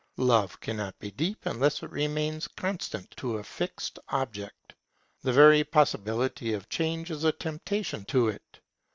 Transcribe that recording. Love cannot be deep unless it remains constant to a fixed object. The very possibility of change is a temptation to it.